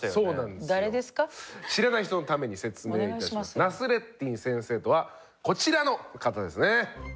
ナスレッディン先生とはこちらの方ですね。